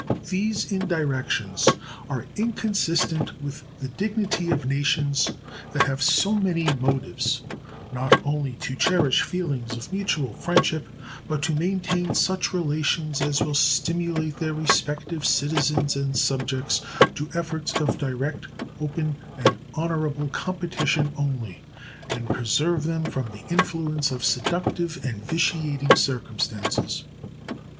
These indirections are inconsistent with the dignity of nations that have so many motives not only to cherish feelings of mutual friendship, but to maintain such relations as will stimulate their respective citizens and subjects to efforts of direct, open, and honorable competition only, and preserve them from the influence of seductive and vitiating circumstances.